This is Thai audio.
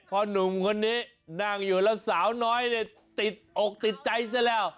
พอหนุ่มคนนี้นั่งอยู่แล้วสาวน้อยเนี่ยติดอกติดใจซะแล้ว